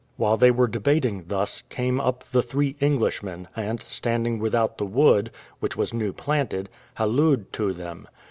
While they were debating thus, came up the three Englishmen, and standing without the wood, which was new planted, hallooed to them.